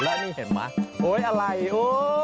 แล้วนี่เห็นไหมโอ๊ยอะไรโอ้